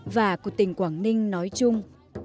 và của tỉnh quảng ninh nói chung